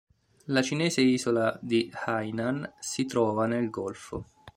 La cinese isola di Hainan si trova nel golfo.